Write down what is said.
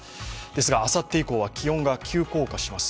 ですがあさって以降は気温が急降下します。